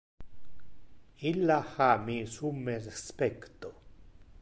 Illa ha mi summe respecto.